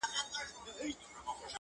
زور د زورور پاچا. ماته پر سجده پرېووت.